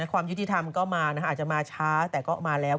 ความยุติธรรมก็มาอาจจะมาช้าแต่ก็มาแล้ว